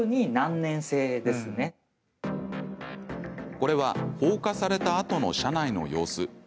これは放火されたあとの車内の様子。